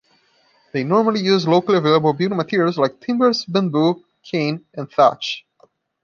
They normally use locally available building materials like timbers, bamboo, cane and thatch.